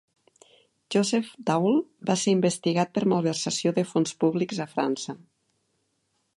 Joseph Daul va ser investigat per malversació de fons públics a França.